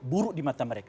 buruk di mata mereka